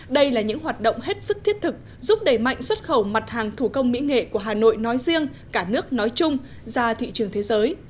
đây là những hoạt động hết sức thiết thực giúp đẩy mạnh xuất khẩu mặt hàng thủ công mỹ nghệ của hà nội nói riêng cả nước nói chung ra thị trường thế giới